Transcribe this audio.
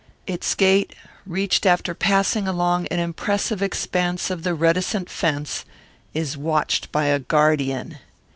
Its gate, reached after passing along an impressive expanse of the reticent fence, is watched by a guardian.